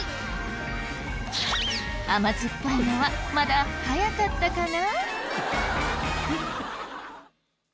甘酸っぱいのはまだ早かったかな？